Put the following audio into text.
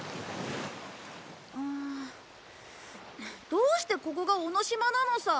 どうしてここが尾の島なのさ？